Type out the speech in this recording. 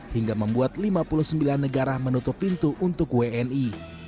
hingga membuat lima puluh sembilan negara menutup pintu untuk wni